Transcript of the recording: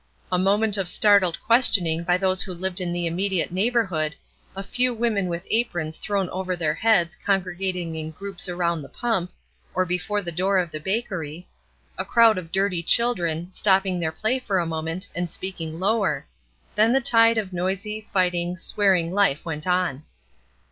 A moment of startled questioning by those who lived in the immediate neighborhood; a few women with aprons thrown over their heads congregating in groups around the pump, or before the door of the bakery; a crowd of dirty children, stopping their play for a moment, and speaking lower; then the tide of noisy, fighting, swearing life went on.